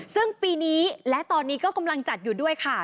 ซึ่งปีนี้และตอนนี้ก็กำลังจัดอยู่ด้วยค่ะ